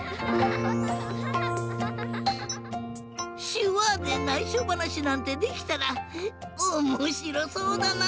しゅわでないしょばなしなんてできたらおもしろそうだな！